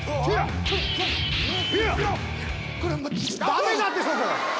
駄目だってそこ。